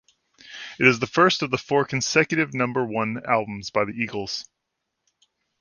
It is the first of the four consecutive number one albums by the Eagles.